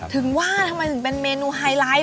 ถึงว่าทำไมถึงเป็นเมนูไฮไลท์